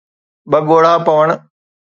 ٻه ڳوڙها پوڻ